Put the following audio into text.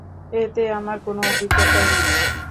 এতে আমার কোন অভিজ্ঞতাই নেই।